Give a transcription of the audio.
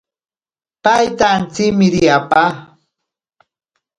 Paita antsimiri apa.